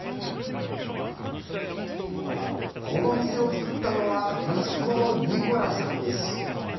この店を作ったのは息子のニコラさんです。